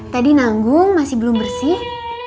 tadi nanggung masih belum bersih